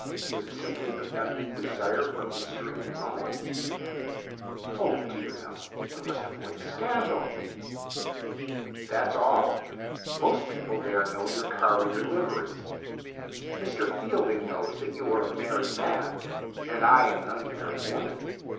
Was it simply the feminine desire for mystery and romance ?"" Oh, dear, no ! One must avoid scandal. 136 STORIES IN GREY That's all. Most people there know your car and your liveries. Mr Fielding knows that you are a married man and I am an unmarried woman.